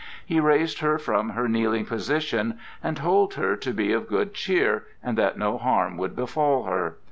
He raised her from her kneeling position and told her to be of good cheer, and that no harm would befall her.